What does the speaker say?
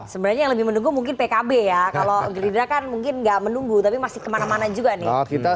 sebenarnya yang lebih menunggu mungkin pkb ya kalau gerindra kan mungkin nggak menunggu tapi masih kemana mana juga nih